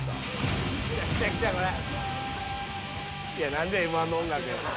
何でＭ−１の音楽やねん。